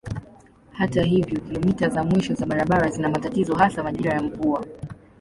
Hata hivyo kilomita za mwisho za barabara zina matatizo hasa majira ya mvua.